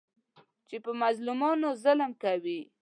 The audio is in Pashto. چې په مظلومانو ظلم کوي.